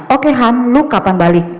oke ham lu kapan balik